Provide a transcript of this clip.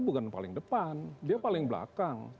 bukan paling depan dia paling belakang